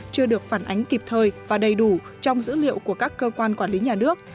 chưa được phản ánh kịp thời và đầy đủ trong dữ liệu của các cơ quan quản lý nhà nước